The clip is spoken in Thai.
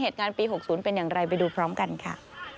เหตุการณ์ปี๖๐เป็นอย่างไรไปดูพร้อมกันค่ะ